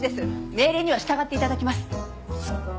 命令には従って頂きます。